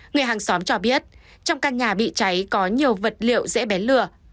người hàng xóm cho biết trong căn nhà bị cháy có nhiều vật liệu dễ bén lửa